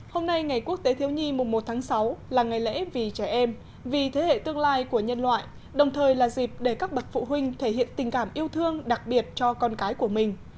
hôm nay ngày quốc tế thiếu nhi mùng một tháng sáu là ngày lễ vì trẻ em vì thế hệ tương lai của nhân loại đồng thời là dịp để các bậc phụ huynh thể hiện tình cảm yêu thương đặc biệt cho con cái của mình